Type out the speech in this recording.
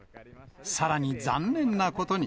さらに残念なことに。